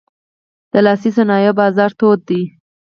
د لاسي صنایعو بازار تود دی.